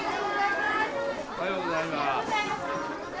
おはようございます。